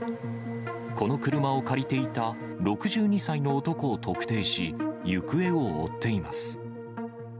この車を借りていた、６２歳の男を特定し、行方を追っています。